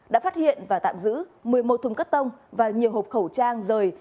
đã phát hiện và tạm giữ một mươi một thùng cắt tông và nhiều hộp khẩu trang rời